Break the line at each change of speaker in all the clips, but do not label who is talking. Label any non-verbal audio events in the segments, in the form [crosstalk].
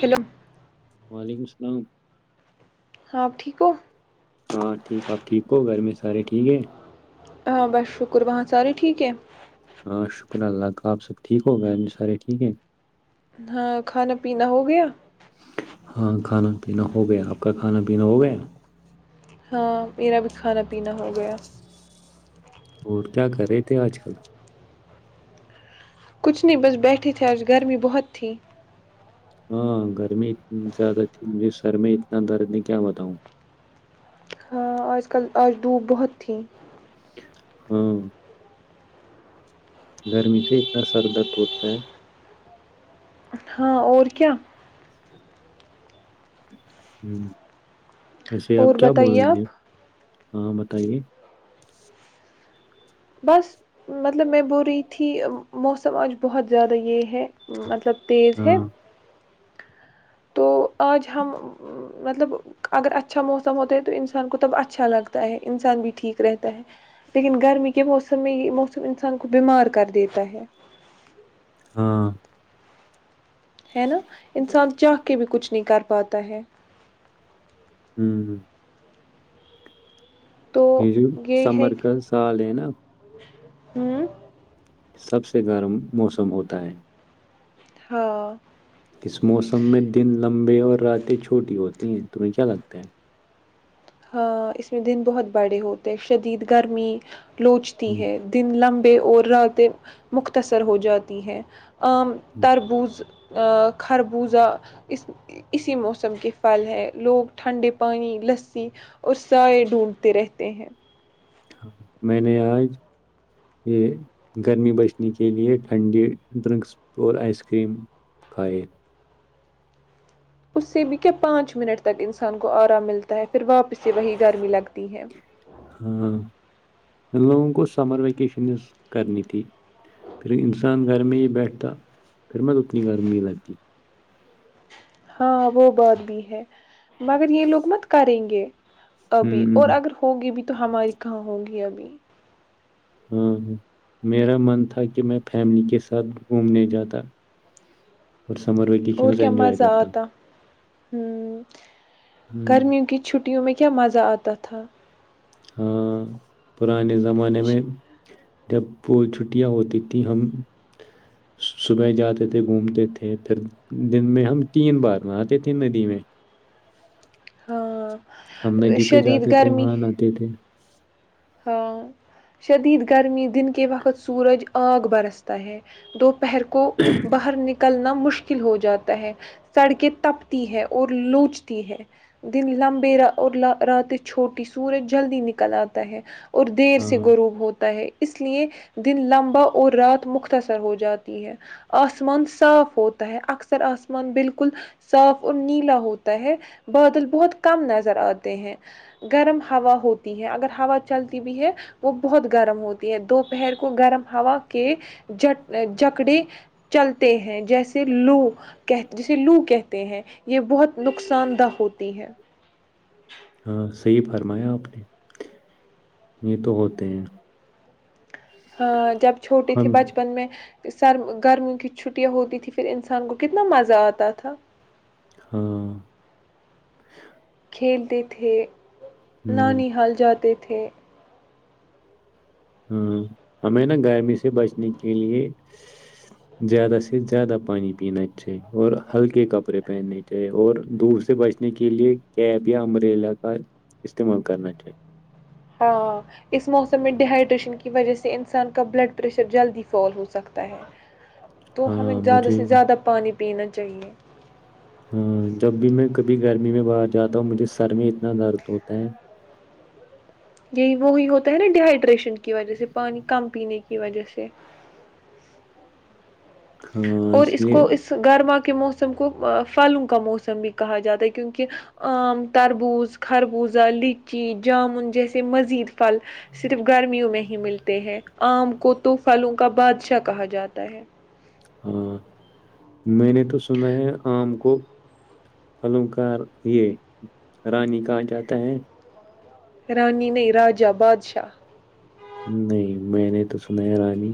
خلملم
ہن
آپ ٹھیک ہو
ہاں ٹھیک آپ ٹھیک ہو گھر میں سارے ٹھیک ہے
ہاں بس شکر وہاں سارے ٹھیک ہے
ہاں شکر اللہ کا آپ سب ٹھیک ہو گ سارے ٹھیک ہیں
ہاں کھانا پیینا ہو گیا
ہاں کھانا پینا ہو گیا آپ کا کھانا پینا ہو گیا
ہاں میرا بھی کھانا پینا ہو گیا
ہوور کیا کرے تھے آج کل
کچھ نہیں بس بیٹھے تھے آج گرمی بہت تھی
ہاں گرمی زیادہ تھی مجھے سر میں اتنا درد نہیں کیا بتاؤں
ہاں آج کل آج ڈوپ بہت تھھی
ہاں گرمی سے اتنا سر در توڑتا ہے
ہاں اور کیا
ہوں وسے آپ
اور
کیا بول
بتائیے
رہے ہیں
آپ
ہاں تے
بس مطلب میں بول رہی تھی موسم آج بہت زیادہ یہ ہے مطلب تیز ہے
ہاں
تو آج ہم مطلب اگر اچھا موسم ہوتا ہے تو انسان کو تب اچھا لگتا ہے انسان بھی ٹھیک رہتا ہے لیکن گرمی کے موسم میں یہ موسم انسان کو بیمار کر دیتا ہے
ہاں
ہے نا انسان چاہ کے بھی کچھ نہیں کر پاتا ہے
ہوں ہ
تو
ہ جوو
یہ ہے
سمر
کہ
کا سال ہے نا
ہوں
سب سے گرم موسم ہوتا ہے
ہاں
اس موسم میں دن لمبے اور راتیں چھوٹی ہوتی ہیں تمہیں کیا لگتا ہے؟
ہاں اس میں دن بہت بڑے ہوتے شدید گرمی لوچتی
ہوں
ہے دن لمب پ اور رتے مختصر ہو جاتی ہیں عام
ہوں
تربوز خربوزہ اس اسی موسم کے پھل ہیں لوگ ٹھنڈے پانی لس اور سائے ڈھونڈتے رہتے ہیں
ہاں میں نے آج یہ گرمی بچنے کے لیئے ٹھنڈی ڈرنکس اور آئس کریم کھائے
اس سے بھی کیا پانچ منٹ تک انسان کو آرام ملتا ہے پھر واپس وہی گرمی لگتی ہے
ہاں ان لوگوں کو سمر ویکیشنز کرنی تھی پھر انسان گھر میں ہی بیٹھتا پھر میں اتنی گرمی ہی لگتی
ہاں وہ بات بھی ہے مگر یہ لوگ مت کریں گے ابھی اور
ہوں
اگر ہوگی بھی تو ہماری کہاں ہوگی ابھی
ہاں ہاں میرا من تھا کہ میں فیملی کے ساتھ گھومنے جاتا اور سمر
اور
ویکیشنز
کیا
انجوائے
مزہ
کرتا
آتا ہ
ہ
گرمیوں کی چھٹیوں میں کیا ک کیا مزہ آ ت تھا
ہاں پران ز زمانے میں جب وہ چھٹیاں ہوتی تھیں ہم صبح جاتے تھے گھومتے تھے پھر دن میں ہم تین بار آ آتے تھے ندی میں
ہاں
ہم میںدی پہ
شدید
جاتے تھے
گرمی
وہاں آاتتے تھے
ہاں شدید گرمی دن کے وقت سورج آگ برستا ہے دو پر کو باہر نکل کلنا مشکل ہو جاتا ہے سڑکیں تپتی ہے اور لوچتی ہے دن لمبے اور رات چھوٹی سورج جلدی نکل آتی ت ہے اور دیر
ہاں
سے غروب ہوتا ہے اس لیے دن لمبا اور رات مختصر ہو جاتی ہے آسمان صاف ہوتا ہے اکثر آسمان بالکل صاف اور نیلا ہوتا ہے بادل بہت کم نظر آتے ہیں گرم ہوا ہوتی ہے اگر ہوا چلتی بھی ہے وہ بہت گرم ہوتی ہے دوپہر کو گرم ہوا کے ج جکڑے چلتے ہیں جیسے لو کہ جیسے لو کہتے ہیں یہ بہت نقصان دہ ہوتی ہے
ہاں صحی فرمایا آپ نے یہ تو ہوتے ہیں
ہاں جب چھوٹی تھی
ہم
بچپن میں سر گرمیوں کی چھٹیاں ہوتی تھھی پھر انسان کو کتنا مزہ آتا تھا
ہاں
کھیلتے تھے
ہ
نانی حال جاتے تھے ت [inaudible]
ہاں ہمیں نا گرمی سے بچنے کے لیے زیادہ سے زیادہ پانی پینا چاہیے اور ہلکے کپڑے پہننے چاہیے اور دور سے بچنے کے لیے کیب یا امبریلا کا استعمال کرنا چاہیے
ہاں اس موسم میں ڈ ہائیڈریشن کی وجہ سے انسان کا بلڈ پریشر جلدی فال ہو سکتا ہے تو ہمیں
ہاں
زیادہ
مجھے
سے زیادہ پانی پینا چاہیے
ہاں جب بھی میں کبھی گرمی میں باہر جاتا ہوں مجھے سر میں اتنا درد ہوتا ہے
یہی وہی ہوتا ہے نا ڈیہائیڈریشن کی وجہ سے پانی کم پینے کی وجہ سے
ہاں
اور اس
لیے
کو اس گارما کے کے موسم کو فھلوں کا موسم بھی کہا جاتا ہے کیونکہ آم تربوز خربوزہ لچی جامن جیسے مزید پھل صرف گرمیوں میں ہی ملتے ہیں آم کو تو پلوں کا بادشاہ کہا جاتا ہے
ہاں میں نے تو سنا ہے آم کو پھلوں کا یہ رانی کہا جاتا ہے
رانی نہیں راجا بادشاہ
نہیں میں نے تو سنا ہے رانی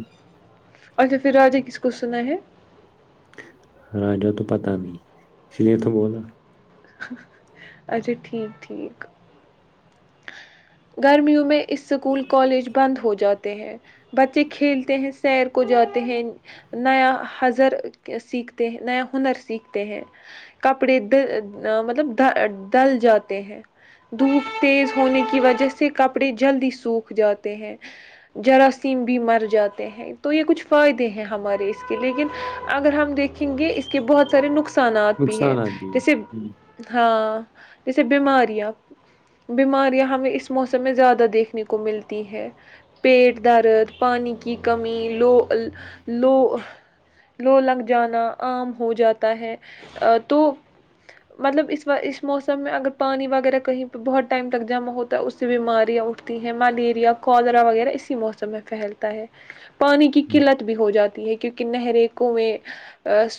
اچھا پھر راجا کس کو سنا ہے
راجا تو پتا نہیں اس لیے اتو بولاا
اچھا ٹھیک ٹھیک گرمیوں میں اس اسکول کالج بند ہو جاتا بچے کھیلتے ہیں سیر کو جاتے ہیں نیا ہضر سیکھتے ہیں نیا ہنر سیکھتے ہیں کپڑے مطلب ڈل جاتے ہیں دھوپ تیز ہونے کی وجہ سے کپڑے جلدی سوکھ جاتے ہیں جراثیم بھی مر جاتے ہیں تو یہ کچھ فائدے ہیں ہمارے کے لیکن اگر ہم دیکھیں گے اس کے بہت سارے نقصان نقصانات بھی ہے
نقصانات بھی
جیسے
ہیں۔ ہوں،
ہاں جیسے بیماریاں بیماریاں ہمیں اس موسم میں زیادہ دیکھنے کو ملتی ہے پیٹ درد پانی کی کمی لو لو لو لگ جانا عام ہو جاتا ہے تو مطلب اس اس موسم میں اگر پانی وغیرہ کہیں پہ بہت ٹائم تک جمع ہوتا ہے اس سے بیماریاں اٹھتی ہیں ملیریا کودرا وغیرہ اسی موسم میں پھیلتا ہے پانی کی
ہوں،
قلت بھی ہو جاتی ہے کیونکہ نہریکوں میں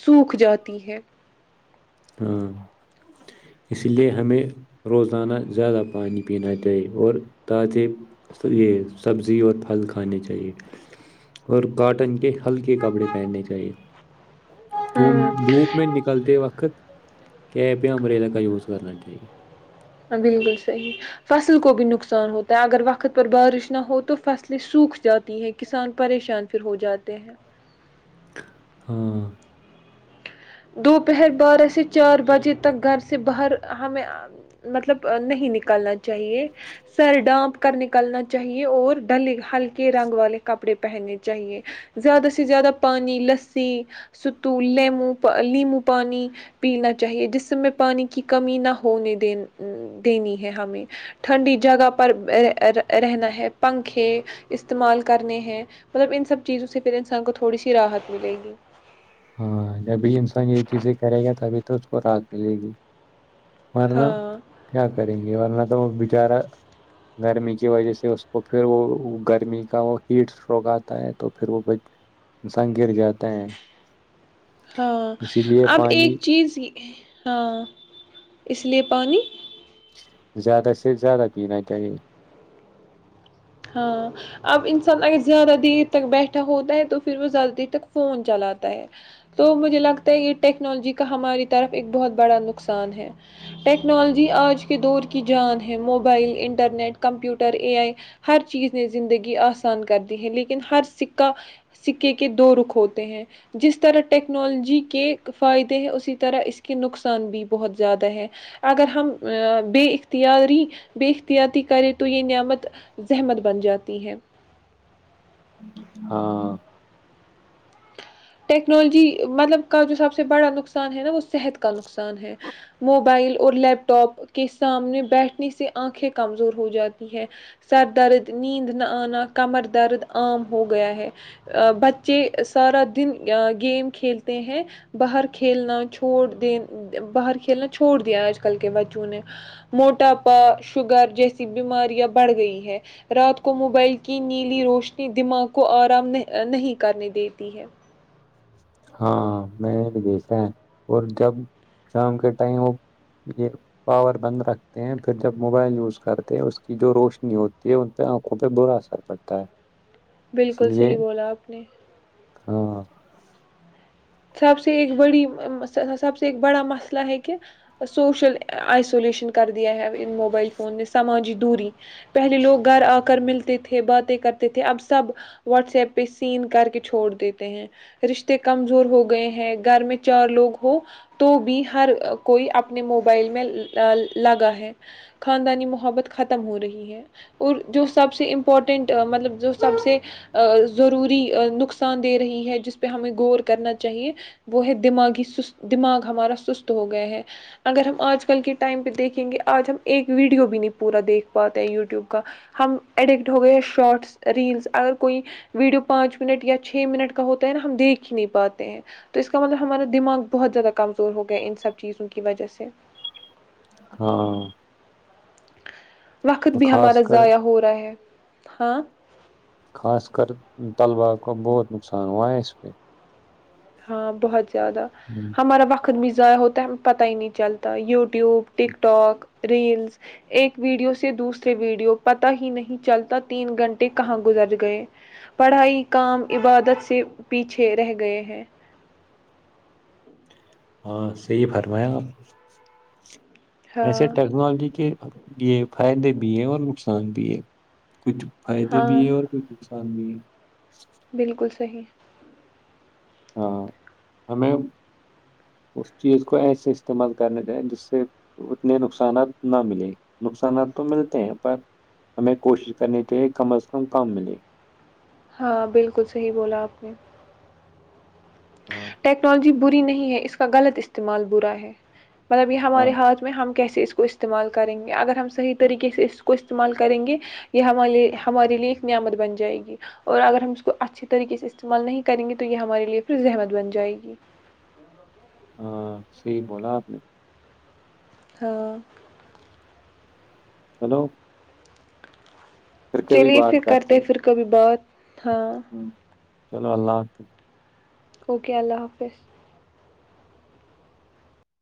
سوکھ جاتی ہے
ہاں اسی لیے ہمیں روزانہ زیادہ پانی پینا چاہیے اور تازے یہ سبزی اور پھل کھانے چاہیے اور کاٹن کے ہلکے کپڑے پہننے چاہیے دوم
ہے
دھوپ میں نکلتے وقت کہ پہ مرے لگا یز کر لاہ
بالکل صحیح فصل کو بھی نقصان ہوتا ہے اگر وقت پر بارش نہ ہو تو فصلیں سوکھ جاتی ہیں کسان پریشان پھر ہو جاتے ہیں
ہاں
دوپہر بارہ سے چار بجے تک گھر سے باہر ہمیں مطلب نہیں نکلنا چاہیے سر ڈانپ کو کر نکلنا چاہیے اور ڈلے ہلکے رنگ والے کپڑے پہننے چاہیے زیادہ سے زیادہ پانی لسی ستو لیمو لیمو پانی پینا چاہیے جس میں پانی کی کمی نہ ہونے دین دینی ہے ہمیں ٹھنڈی جگہ پر رہنا ہے پنکھے استعمال کرنے ہیں مطلب ان سب چیزوں سے پھر انسان کو تھوڑی سی راحت ملے گی
ہاں جبھی انسان یہ چیزیں کرے گا تبھی تو اس کو رحت ملے گی ورنہ
ہاں
کیا کریں گے ورنہ بچارہ گرمی کی وجہ سے اس کو پھر وہ گرمی کا وہ ہیٹ اسٹروک آتا ہے تو پھر وہ انسان گر جاتا ہے
ہاں
اسی لیے
اب ایک
پانی
چیز ہاں اس لیے پانی
زیادہ سے زیادہ پین ت یہے
ہاں اب انسان اگر زیادہ دیر تک بیٹھا ہوتا ہے تو پھر وہ زیادہ دیر تک فون چلاتا ہے تو مجھے لگتا ہے یہ ٹیکنالوجی کا ہماری طرف ایک بہت بڑا نقصان ہے ٹیکنالوجی آج کے دور کی جان ہے mobile internet computer A I ہر چیز زندگی آسان کر دی ہے لیکن ہر سکہ کے دو رک ہوتے ہیں جس تارہ ٹیکنالوجی کے فائدے اسے تارہ اسکے نکساں بھی بہت جیاڈا ہے زحمت بن جاتی ہے
ہاں
ٹیکنالوجی مطلب کا جو سب سے بڑا نقصان ہے نا وہ صحت کا نقصان ہے موبائل اور لیپ ٹاپ کے سامنے بیٹھنے سے آنکھیں کمزور ہو جاتی ہیں سر درد نیند نہ آنا کمر درد عام ہو گیا ہے بچے سارا دن گیم کھیلتے ہیں باہر کھیلنا چھوڑ دیں باہر کھیلنا چھوڑ دیا آج کل کے بچوں نے موٹاپا شوگر جیسی بیماریاں بڑھ گئی ہے رات کو موبائل کی نیلی روشنی دماغ کو آرام نہیں کرنے دیتی ہے
ہاں میں نے بھی دیکھا ہے اور جب شام کے ٹائم وہ یہ پاور بند رکھتے ہیں پھر جب موبائل یوز کرتے ہیں اس کی جو روشنی ہوتی ہے ان پہ آنکھوں پہ برا اثر پڑتا ہے اس
بالکل
لیے
صحیح بولا آپ نے
ہاں
سب سے ایک بڑی سب سے ایک بڑا مسئلہ ہے کہ سوشل آئسولیشن کر دیا ہے ان موبائل فون نے سماجی دوری پہلے لوگ گھر آ کر ملتے تھے باتیں کرتے تھے اب سب واٹس ایپ پہ سین کر کے چھوڑ دیتے ہیں رشتے کم ہو گئے ہیں گھر میں چار لوگ ہو تو بھی ہر کوئی اپنے موبائل میں لگا ہے خاندانی محبت ختم ہو رہی ہے اور جو سب سے امپورٹینٹ مطلب جو سب سے ضروری نقصان دے رہی ہے جس پہ ہم گور کرنا چاہیے وہ ہے دماغی دماغ ہمارا سست ہو گیا ہے اگر ہم آج کل کے ٹائم پہ دیکھیں گے آج ہم ایک ویڈیو بھی نہیں پورا دیکھ پاتے ہیں یوٹیوب کا ہم ایڈکٹ ہو گئے ہیں شارٹس ریلس اگر کوئی ویڈیو پانچ منٹ یا چھ منٹ کا ہوتا ہے نا ہم دیکھ ہی نہیں ب ہیں تو اس کا مطلب ہمارا دماغ بہت زیادہ کمزور ہو گیا ان سب چیزوں کی وجہ سے
ہاں
وقت
اور
بھی ہمارا
خاص کر
ضائع ہو رہا ہے ہاں
خاص کر طلباء کو بہت نقصان ہوا ہے اس پہ
ہاں بہت زیادہ ہمارا وقت آخر میں ضائع ہوتا ہے ہم پتہ ہی نہیں چلتا YouTube TikTok reels ایک ویڈیو سے دوسرے ویڈیو پتہ ہی نہیں چلتا تین گھنٹے کہاں گزر گئے پڑھائی کام عبادت سے پیچھے رہ گئے ہیں [unintelligible]
ہاں صحی فرمایا گ آپ ایسے
ہاں
ٹیکنالوجی کے یہ فائدے بھی ہے اور نقصان بھی ہے کچھ فائدے
ہاں
بھی ہے اور بھی کچھ ہممی
بالکل صحیح
ہاں ہمیں اس چیز کو ایسے استعمال کرنے چیں جس سے اتنے نقصانات نہ ملے نقصانات تو ملتے ہیں پر ہمیں کوشش کرنی چاہیے کم از کم کم ملے
ہاں بالکل صحیح بولا آپ نے
ہاں
ٹیکنالوجی بری نہیں ہے اس کا غلط استعمال برا ہے مطلب یہ
ہاں
ہمارے ہاتھ میں ہم کیسے اس کو استعمال کریں گے اگر ہم صحیح طریقے سے اس سے استعمال کریں گے یہ ہمے ہمارے لیے ایک نعمت بن جائے گی اور اگر ہم اس کو اچھے طریقے سے استعمال نہیں کریں گے تو یہ ہمارے لیے ز احمد بن جائے گی
ہاں صحیح بولا آپ نے
ہاں
ہیلو
چلیے پھر کرتے پھر کبھی بات تھااں
ہوں، چلو اللہ حافظ
اوکے اللہ حافظ